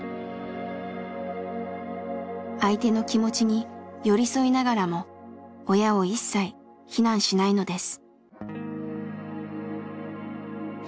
相手の気持ちに寄り添いながらも親を一切非難しないのです。